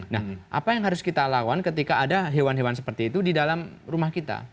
nah apa yang harus kita lawan ketika ada hewan hewan seperti itu di dalam rumah kita